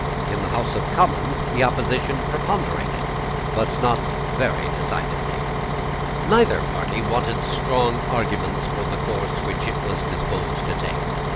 In the House of Commons the opposition preponderated, but not very decidedly. Neither party wanted strong arguments for the course which it was disposed to take.